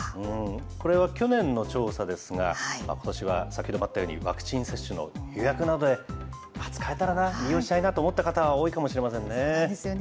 これは去年の調査ですが、ことしは先ほどのあったように、ワクチン接種の予約などで、使えたらな、利用したいなと思った方が多いかもしれませんね。